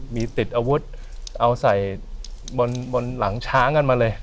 มีติดอาวุธเอาใส่บนหลังช้างกันมาเลย